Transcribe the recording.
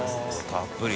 たっぷり。